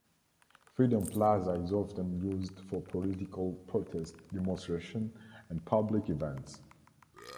Freedom Plaza is often used for political protest demonstrations and public events.